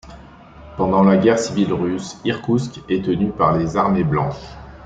Pendant la guerre civile russe, Irkoutsk est tenue par les Armées blanches.